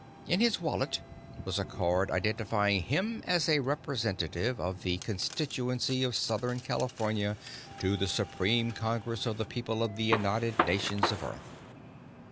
In his wallet was a card identifying him as a Representative of the Constituency of Southern California to the Supreme Congress of the People of the United Nations of Earth.